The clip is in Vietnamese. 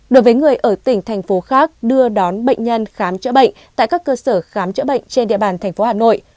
đối với người ở tỉnh thành phố khác đưa đón bệnh nhân khám chữa bệnh tại các cơ sở khám chữa bệnh trên địa bàn thành phố hà nội